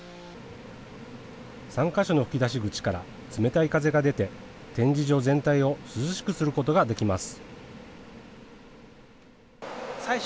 ３か所の吹き出し口から冷たい風が出て展示場全体を涼しくすることができます。